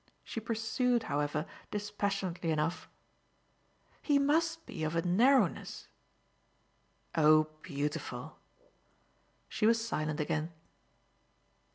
She pursued, however, dispassionately enough: "He must be of a narrowness !" "Oh beautiful!" She was silent again.